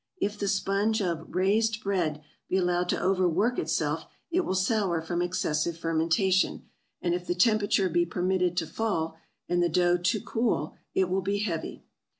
If the sponge of "raised bread" be allowed to overwork itself it will sour from excessive fermentation, and if the temperature be permitted to fall, and the dough to cool, it will be heavy.